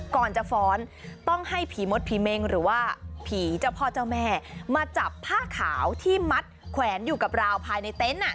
ก่อนจะฟ้อนต้องให้ผีมดผีเมงหรือว่าผีเจ้าพ่อเจ้าแม่มาจับผ้าขาวที่มัดแขวนอยู่กับราวภายในเต็นต์อ่ะ